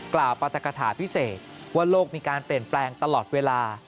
ปรัฐกฐาพิเศษว่าโลกมีการเปลี่ยนแปลงตลอดเวลา